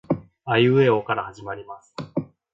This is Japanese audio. あいうえおから始まります